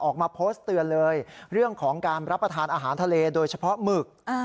ออกมาโพสต์เตือนเลยเรื่องของการรับประทานอาหารทะเลโดยเฉพาะหมึก